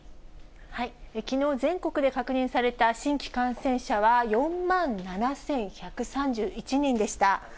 きのう、全国で確認された新規感染者は、４万７１３１人でした。